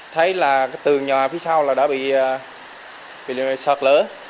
thấy là cái tường nhà phía sau là đã bị sạt lở